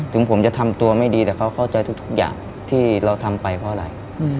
ถึงผมจะทำตัวไม่ดีแต่เขาเข้าใจทุกอย่างที่เราทำไปเพราะอะไร